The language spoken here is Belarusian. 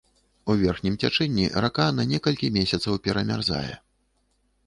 У верхнім цячэнні рака на некалькі месяцаў перамярзае.